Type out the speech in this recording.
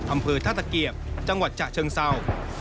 อำเภอท่าตะเกียบจังหวัดฉะเชิงเศร้า